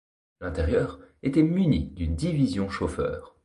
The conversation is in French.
L'intérieur était muni d'une division chauffeur.